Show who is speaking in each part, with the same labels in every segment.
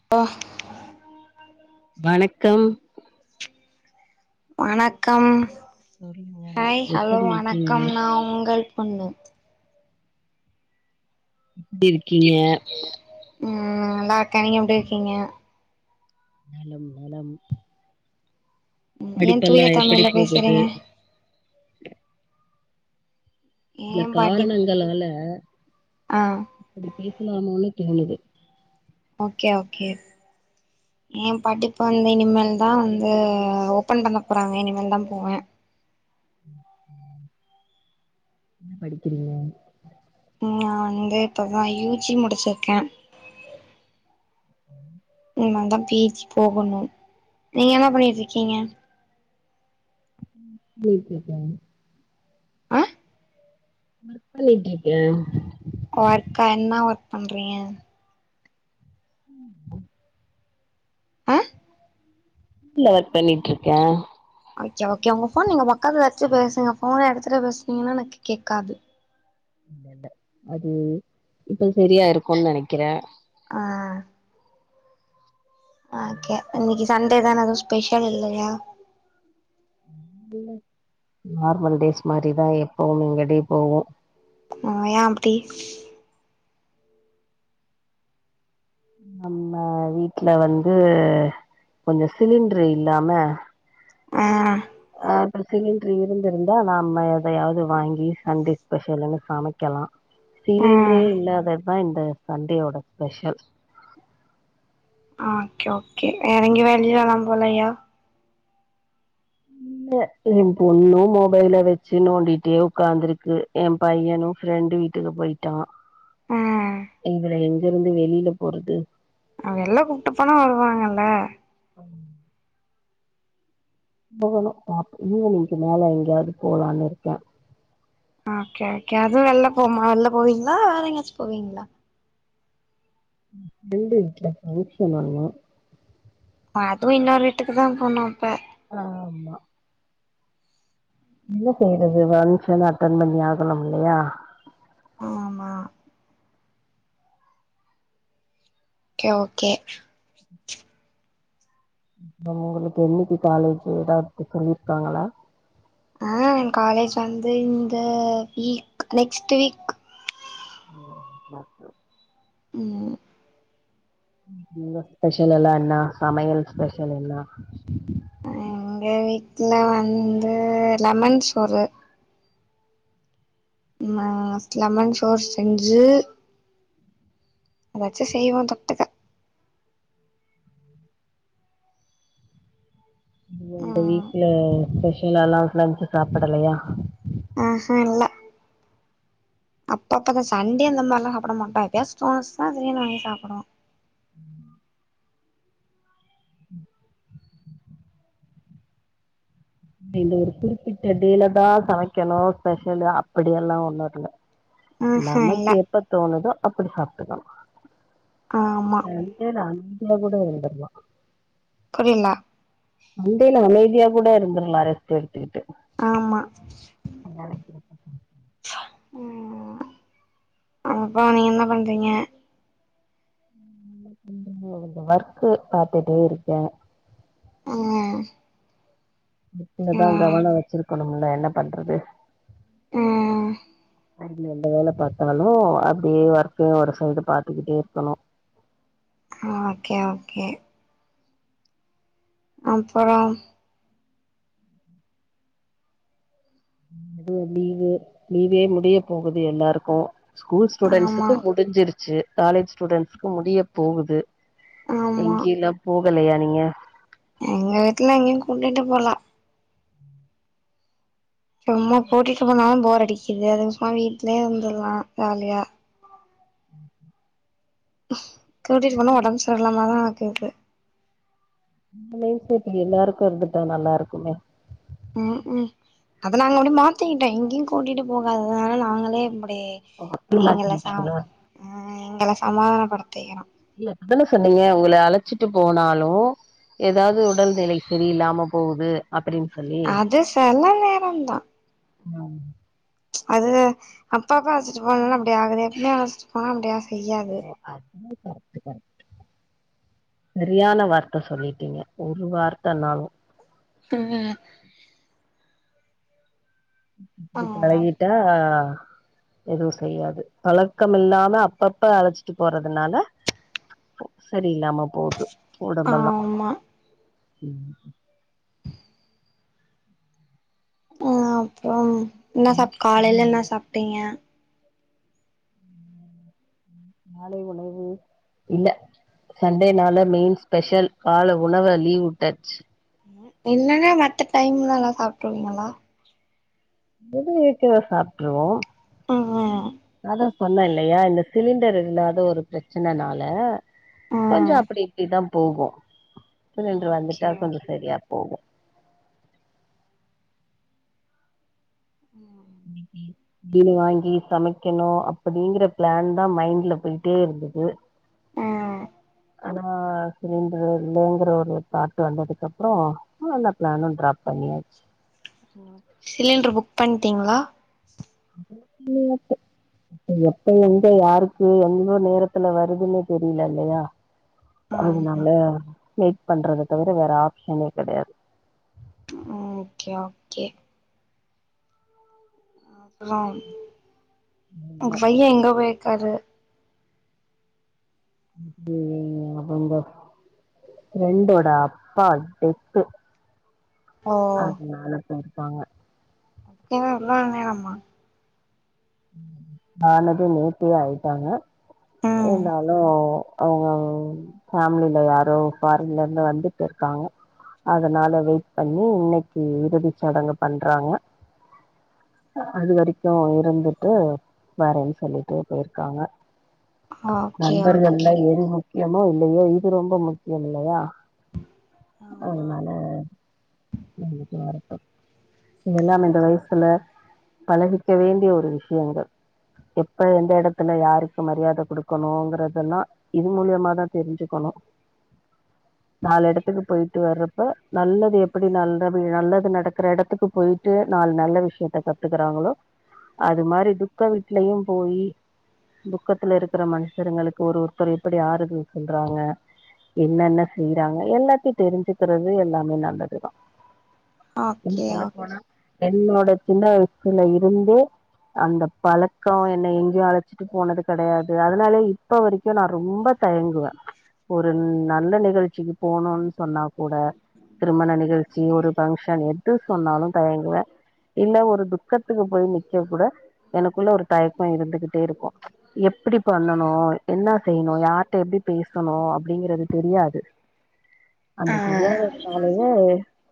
Speaker 1: ப்பா
Speaker 2: வணக்கம்
Speaker 1: வணக்கம்
Speaker 2: சொல்லுங்க
Speaker 1: ஹாய் ஹலோ
Speaker 2: எப்படி இருக்கீங்க
Speaker 1: வணக்கம் நா உங்கள் பொண்ணு
Speaker 2: எப்டி இருக்கீங்க
Speaker 1: ம் நல்லா இருக்கே நீங்க எப்டி இருக்கீங்க
Speaker 2: நலம் நலம்
Speaker 1: ம் ஏ தூய
Speaker 2: படிப்பெல்லா எப்படி
Speaker 1: தமிழ்ல
Speaker 2: போகுது
Speaker 1: பேசுறீங்க
Speaker 2: சில
Speaker 1: ஏ படிப்
Speaker 2: காரணங்களால
Speaker 1: ஆ
Speaker 2: அப்டி பேசலாம்னு தோணுது
Speaker 1: ஓகே ஓகே ஏ படிப்பு வந்து இனிமேல் தா வந்து ஓப்பன் பண்ண போறாங்க இனிமேல் தா போவே
Speaker 2: என்ன படிக்கிறீங்க
Speaker 1: நா வந்து இப்பதா யூ ஜி முடிச்சுருக்கே இனிமேல் தா பி ஜி போகணு நீங்க என்ன பண்ணிட்ருக்கீங்க
Speaker 2: பி ஜி கா
Speaker 1: ஆ
Speaker 2: ஒர்க் பண்ணிட்ருக்கே
Speaker 1: ஒர்க்கா என்ன ஒர்க் பண்றீங்க
Speaker 2: ம்மா
Speaker 1: ஆ
Speaker 2: ட்ல ஒர்க் பண்ணிட்ருக்கே
Speaker 1: ஓகே ஓகே உங்க போன் நீங்க பக்கத்துல வச்சு பேசுங்க போன எடுத்துட்டு பேசுனீங்கன்னா எனக்கு கேக்காது
Speaker 2: இல்லேல்ல அது இப்ப சரியா இருக்குன் நெனக்கிறே
Speaker 1: ஆ
Speaker 2: சொல்லுங்க
Speaker 1: ஆக்கே இன்னிகி சண்டேதான எதும் ஸ்பெஷல் இல்லையா
Speaker 2: நார்மல் டேஸ் மாரிதா எப்பவும் எங்க டே போவோ
Speaker 1: ஓ யா அப்டி
Speaker 2: நம்ம வீட்ல வந்து கொஞ்ச சிலிண்ட்ரு இல்லாம
Speaker 1: அ
Speaker 2: அ அது சிலிண்ட்ரு இருந்திருந்தா நாம்ம எதையாவது வாங்கி சண்டே ஸ்பெஷலுனு சமைக்கலா சிலிண்ட்ரே
Speaker 1: ம்
Speaker 2: இல்லாததா இந்த சண்டேயோட ஸ்பெஷல்
Speaker 1: ஆ ஓகே ஓகே வேற எங்கியு வெளிலலாம் போலயா
Speaker 2: எம் பொண்ணு மொபைல வச்சு நோண்டிட்டே உக்காந்துருக்கு எம் பையனு ஃப்ரெண்டு வீட் டுக்கு போயிட்டா
Speaker 1: ம்
Speaker 2: இதுல எங்கருந்து வெளிலப் போறது
Speaker 1: அவ வெள்ள கூப்ட்டு போனா வருவாங்கல்ல
Speaker 2: அம் போகணு டாப் ஈவினிங்க்கு மேல எங்கியாவது போலானு இருக்கே
Speaker 1: ஆ ஓகே ஓகே அது வெள்ள போமா வெள்ள போவீங்ளா வேற எங்கியாச்சு போவீங்ளா
Speaker 2: ஃபிரெண்டு வீட்ல பங்க்ஷனாமா -
Speaker 1: ஆத்துவு இன்னொரு வீட்டுக்குதா போனு இப்ப
Speaker 2: ஆமா என்ன செய்றது வங்க்ஷனு அட்டன் பண்ணி ஆகனுமில்லையா
Speaker 1: ஆமா ஓகே ஓகே.
Speaker 2: ந உங்களுக்கு என்னைக்கி காலேஜூ எதாவது சொல்லிருப்பாங்களா
Speaker 1: ஆ காலேஜ் வந்து இந்த வீக் நெக்ஸ்ட்டு வீக்
Speaker 2: ம் ஓகே
Speaker 1: ம்
Speaker 2: இங்க ஸ்பெஷல் எல்லா என்னா சமையல் ஸ்பெஷல் என்னா
Speaker 1: எங்க வீட்ல வந்து லெமன் சோறு மாத் லெமன் சோறு செஞ்சு அதாச்சு செய்வோ தொட்டுக்க
Speaker 2: இந்த
Speaker 1: ம்
Speaker 2: வீட்ல ஸ்பெஷல் அலா லஞ்ச்சு சாப்படலையா
Speaker 1: ஆ அ இல்ல அப்பப்பதா சண்டே இந்த மார்லா சாப்பிட மாட்டோ எப்பையாச் தோணுச்னா திடீர்னு வாங்கி சாப்டுவோ
Speaker 2: இந்த ஒரு குறிப்பிட்ட டேலாதா சமைக்கணு ஸ்பெஷலு அப்பிடியெல்லா ஒன்னு இல்ல
Speaker 1: ஆஹா இல்ல
Speaker 2: நமக்கு எப்பத் தோணுதோ அப்பிடி சாப்ட்டுக்கன்
Speaker 1: ஆமா
Speaker 2: நன் ஏனா அந்தியா கூட இருந்தர்லா
Speaker 1: புரிலா
Speaker 2: சண்டேல அமைதியா கூட இருந்திரலா ரெஸ்ட்டு எடுத்துகிட்டு
Speaker 1: ஆமா ம் அப்போ நீங்க என்ன பண்றீங்க
Speaker 2: கொஞ்ச ஒர்க்கு பாத்துட்டே இருக்கே
Speaker 1: அ
Speaker 2: இத்துலதா கவன வச்சிருக்கணுமில்ல என்னப் பண்றது
Speaker 1: ம்
Speaker 2: அ எந்த வேலப் பாத்தாலு அப்டியே ஒர்க்கியு ஒரு சைடு பாத்துகிட்டே இருக்கணு
Speaker 1: ஓகே ஓகே அப்பறோம்
Speaker 2: எதுவு லீவு லீவே முடிய போகுது எல்லாருக்கு ஸ்கூல்
Speaker 1: ஆமா
Speaker 2: ஸ்டூடெண்ட்ஸுக்கு முடிஞ்சிருச்சு காலேஜ் ஸ்டூடெண்ட்ஸுக்கு முடிய போகுது
Speaker 1: ஆமா
Speaker 2: எங்கியுல்லா போகலையா நீங்க
Speaker 1: எங்க வீட்ல எங்கயு கூட்டிட்டு போல சும்மா கூட்டிட்டு போனாலு போர் அடிக்குது அது சும்மா வீட்லயே இருந்துரலா ஜாலியா
Speaker 2: ம்
Speaker 1: கூடிட்டு போனா உடம்பு சரியில்லாமாதா ஆகுது
Speaker 2: லைப்பு அப்டி எல்லாருக்கு இருந்துட்டா நல்லாருக்குமே
Speaker 1: ம்கும் அத நாங்க அப்டி மாட்டிகிட்டே எங்கேயு கூட்டிட்டு போகாதனால நாங்களே இப்டி
Speaker 2: அப்டி
Speaker 1: எங்கள சா
Speaker 2: மாட்டிக்கிட்டீங்களா
Speaker 1: எங்கள சமாதானப்படுத்துக்கிறோ
Speaker 2: ல்ல இப்பத்தானே சொன்னீங்க உங்கள அழைச்சிட்டு போனாலு ஏதாவது உடல்நிலை சரியில்லாம போகுது அப்படின்னு சொல்லி
Speaker 1: அது செல நேரன்தா
Speaker 2: ம்
Speaker 1: அது அப்பாக்கு அழசிட்டு போனல்லா அப்டியாகுது எப்பமே அழைச்சிட்டு போனா அப்டியா செய்யாது
Speaker 2: அப் னா கர்ட்டு கர்ட்டு சரியான வார்த்த சொல்லிட்டீங்க ஒரு வார்த்தனாலு
Speaker 1: ம் ஆ
Speaker 2: ப்படி பழகிட்டா எதுவு செய்யாது பழக்கம் இல்லாம அப்பப்ப அழச்சிட்டு போறதுனால சரியில்லாமா போது உடம்பல்லா
Speaker 1: ஆமா ம் அப்பறம் ன்னா சாப்
Speaker 2: எடுத்து
Speaker 1: காலையில
Speaker 2: சொல்லுங்க
Speaker 1: ன்னா சாப்ட்டீங்க
Speaker 2: மாலை உணவு இல்ல சண்டேனால மெயின் ஸ்பெஷல் கால உணவ லீவ் வுட்டாச்சு
Speaker 1: ன்னாங்க மத்த டைம்லல்ல சாப்ட்டுருவீங்களா
Speaker 2: எது இருக்கரத சாப்ட்ருவோ
Speaker 1: ம் ம்
Speaker 2: அதா சொன்ன இல்லையா இந்த சிலிண்டர் இல்லாத ஒரு பிரச்சனனால
Speaker 1: ம்
Speaker 2: கொஞ்சம் அப்டி இப்டிதான் போகு சிலிண்டர்
Speaker 1: ஓகே
Speaker 2: வந்துட்டா கொஞ்ச
Speaker 1: ஓகே
Speaker 2: சரியா போகு
Speaker 1: ம்
Speaker 2: இன்னைக்கி மீனு வாங்கி சமைக்கணு அப்படிங்கிற பிளான் தா மைண்ட்ல போயிட்டே இருந்தது
Speaker 1: ஆ
Speaker 2: ஆனா சிலிண்டரு இல்லைங்குற ஒரு தாட்டு வந்ததுக்கப்றோ அந்த பிளானு ட்ராப் பண்ணியாச்சு
Speaker 1: சிலிண்ட்ர் புக் பண்ட்டீங்களா
Speaker 2: நேத்து எப்ப எங்க யாருக்கு எந்த நேரத்துல வருதுன்னு தெரியல இல்லையா
Speaker 1: ஆமா
Speaker 2: அதனால மேக் பண்றத தவிர வேற ஆப்ஷனே கெடையாது
Speaker 1: ஓகே ஓகே ஹாம் உங்க பைய எங்க போயிக்காரு
Speaker 2: யே அவுங்க ப்ரெண்டோட அப்பா டெத்து
Speaker 1: ஓ
Speaker 2: அதனால போயிருப்பாங்க
Speaker 1: எங்க இவ்ளோ நேரமா
Speaker 2: ஆனது நேத்தே ஆயிட்டாங்க.
Speaker 1: ம்
Speaker 2: இருந்தாலு அவுங்கம் ஃபேமிலில யாரோ ஃபாரின்ல இருந்து வந்துட்டு இருக்காங்க. அதனால வெயிட் பண்ணி இன்னிக்கி இறுதிச்சடங்க பண்றாங்க. அது வரிக்கு இருந்துட்டு வேறேன் சொல்லிட்டு போயிர்க்காங்க.
Speaker 1: ஓகே
Speaker 2: நண்பர்கள்ல
Speaker 1: ஓகே
Speaker 2: எது முக்கியமோ இல்லையோ இது ரொம்ப முக்கியம் இல்லையா?
Speaker 1: ஆமா
Speaker 2: அதுனால இந்துட்டு வரட்டு. இதெல்லாம் இந்த வயசுல பழகிக்க வேண்டிய ஒரு விஷ் யங்கள் எப்ப எந்த எடத்துல யாருக்கு மரியாத குடுக்கணுங்கறது எல்லா இது மூலியமாதா தெரிஞ்சுக்கணு. நாலு எடத்துக்கு போயிட்டு வர்றப்ப நல்லது எப்பிடி நல்லபி நல்லது நடக்கற எடத்துக்கு போயி ட்டு நால் நல்ல விஷ்யத்த கத்துக்கறாங்களோ அது மாரி துக்க வீட்லயும் போயி துக்கத்துல இருக்குற மனுஷருங்களுக்கு ஒரு ஒருத்தர் எப்பிடி ஆறுதல் சொல்றாங்க. என்னென்ன செய்றாங்க எல்லாத்தி தெரிஞ்சுக்கிறது எல்லாமே நல்லதுதா. இன்
Speaker 1: ஓகே
Speaker 2: சொல்ல
Speaker 1: ஓகே
Speaker 2: போனா என்னோட சின்ன வயசுல இருந்தே அந்தப் பழக்கோ என்ன எங்யோ அழ சிட்டு போனது கெடையாது அதுனாலே இப்ப வரிக்கு நா ரொம்ப தயங்குவே. இப்ப ஒரு நல்ல நிகழ்ச்சிக்கு போணுன் சொன்னா கூட திருமண நிகழ்ச்சி ஒரு பங்க்ஷன் எதுஸ் சொன்னாலு தயங்குவே. இல்ல ஒரு துக்கத்துக்கு போய் நிக்க கூட எனக்குள்ள ஒரு தயக்கொ இருந்துகிட்டே இருக்கு‌. எப்பிடி பண்ணணு என்னா செய்ணு யார்ட்ட எப்பிடி பேசணு அப்டிங்கறது தெரியாது.
Speaker 1: ஆ
Speaker 2: அந்த தெரியாததுனாலயே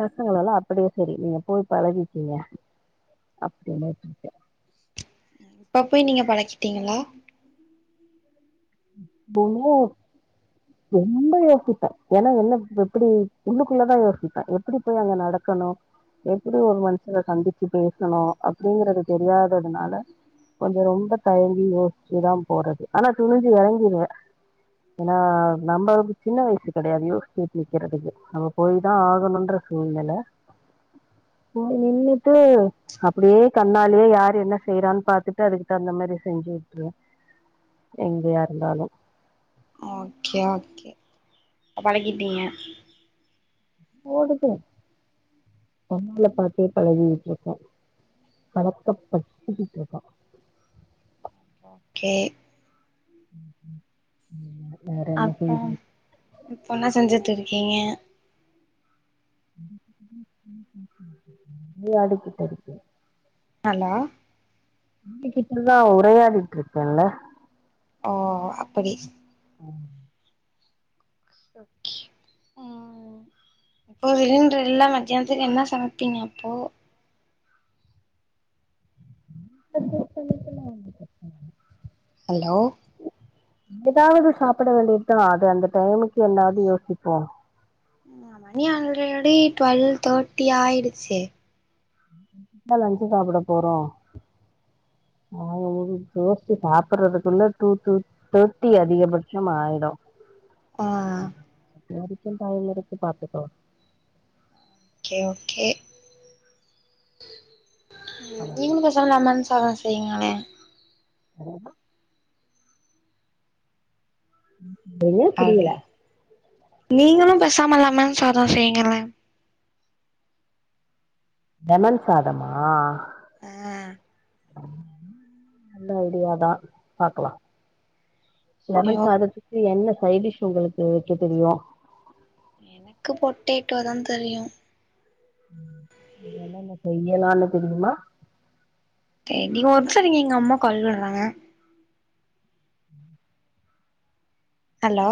Speaker 2: பசங்களல்லா அப்படியே செரி நீங்க போய் பழகிக்கிங்க அப்டினு உட்டுட்டே.
Speaker 1: இப்ப போய் நீங்க பழக்கிட்டிங்களா?
Speaker 2: [unintelligible] ரொம்ப யோசிப்பே ஏனா என்னவ் எப்பிடி உள்ளுக்குள்ளதா யோசிப்பே எப்பிடி போய் அங்க நடக்கணு எப்பிடி ஒரு மனுஷர சந்திச்சு பேசணு அப்டிங்கறது தெரியாததுனால கொஞ்சோ ரொம்ப தயங்கி யோசிச்சுதா போறது. ஆனா துணிஞ்சு எறங்கிருவே. ஏனா நம்பவ் சின்ன வயசு கெடையாது. யோசிச்சு எட்டி வெக்கிறதுக்கு. போய்தா ஆகணுன்ற சூழ்நில. போய் நின்னுட்டு அப்பிடியே கண்ணாலியே யாரு என்ன செய்றான் பாத்துட்டு அதுக்கு தவுந்த மாரி செஞ்சு உட்ருவே. எங்கியா இருந்தாலு.
Speaker 1: ஓகே ஓகே அ பழக்கிட்டிங்க.
Speaker 2: ஓடுது. கண்ணால பாத்தே பழகிகிட்ருக்கோ. பழக்கப்பட்டுகிட்ருக்கோ.
Speaker 1: ஓகே.
Speaker 2: ம் ம்.
Speaker 1: அப்றோ இப்போ என்னா செஞ்சிட்டு இருக்கீங்க?
Speaker 2: லடுக்கு தடுக்கி
Speaker 1: ஹலோ?
Speaker 2: உங்க கிட்டதா உரையாடிட்ருக்கேல்ல.
Speaker 1: ஓ அப்படி.
Speaker 2: ம்.
Speaker 1: ஒகே ம் ம் இப்போ சிலிண்ட்ரு இல்லாம் மத்யான்த்துக்கு என்ன சமைப்பீங்க அப்போ
Speaker 2: [inaudible]
Speaker 1: ஹலோ
Speaker 2: எதாவது சாப்பிட வேண்டியதா அது அந்த டைமுக்கு என்னாவ்து யோசிப்போ
Speaker 1: மணி ஆல்ரடி ட்வெல் தேட்டி ஆயிடுச்சே
Speaker 2: மேல லஞ்சு சாப்பிட போறோ நாங்க ஒரு தோஷ்டு சாப்பிறதுக்குள்ள டூ டூ தேட்டி அதிகபட்சம் ஆயிடோ
Speaker 1: ஆ
Speaker 2: அது வரைக்கு டைம் இருக்கு பாத்துக்கலா
Speaker 1: ஓகே ஓகே நீங்ளு பெசாம் லெமன் சாதோ செய்யிங்களே
Speaker 2: [inaudible] என்னது
Speaker 1: அது நீங்களு பெசாம லெமன் சாதோ செய்ங்களே
Speaker 2: லெமன் சாதமா
Speaker 1: ஆ
Speaker 2: நல்ல ஐடியாதா பாக்கலா லெமன்
Speaker 1: ஓ
Speaker 2: சாதத்துக்கு என்ன சைடிஷ் உங்களுக்கு வெக்க தெரியு
Speaker 1: எனக்கு பொட்டேடோ தா தெரியு
Speaker 2: ம் என்னென்ன செய்யலானு தெரியுமா
Speaker 1: செரி ஒர் நிம்ஸிருங்க எங்க அம்மா கால் விற்றாங்க ஹலோ